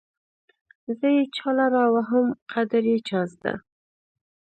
زه يې چالره وهم قدر يې چازده